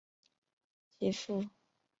其父为伍绍华是伍家国术会的创立人。